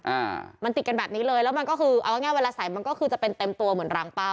อ่ามันติดกันแบบนี้เลยแล้วมันก็คือเอาง่ายเวลาใส่มันก็คือจะเป็นเต็มตัวเหมือนรางเป้า